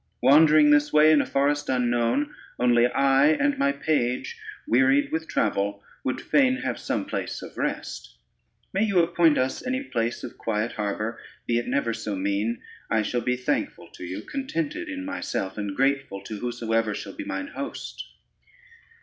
Wandering this way in a forest unknown, only I and my page, wearied with travel, would fain have some place of rest. May you appoint us any place of quiet harbor, be it never so mean, I shall be thankful to you, contented in myself, and grateful to whosoever shall be mine host."